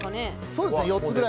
そうですね。